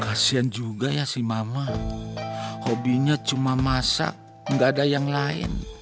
kasian juga ya si mama hobinya cuma masak nggak ada yang lain